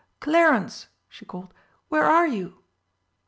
"Clarence!" she called, "where are you?"